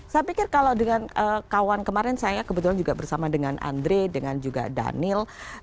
saya pikir kalau dengan kawan kemarin saya kebetulan juga bersama dengan andre dengan juga daniel